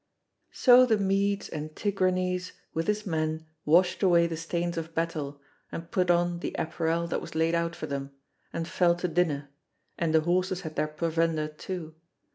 So the Medes and Tigranes with his men washed away the stains of battle, and put on the apparel that was laid out for them, and fell to dinner, and the horses had their provender too.